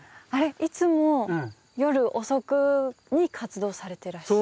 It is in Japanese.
いつも夜遅くに活動されていらっしゃる？